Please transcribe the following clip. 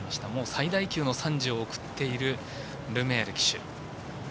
最大級の賛辞を送っているルメール騎手。